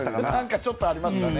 ちょっと、ありましたね。